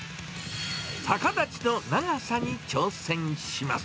逆立ちの長さに挑戦します。